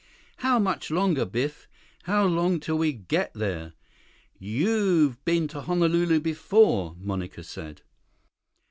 "How much longer, Biff? How long till we get there? You've been to Honolulu before," Monica said.